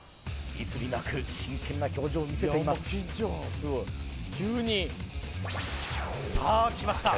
いつになく真剣な表情を見せていますさあきました